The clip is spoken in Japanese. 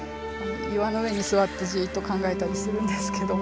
岩の上に座ってじっと考えたりするんですけども。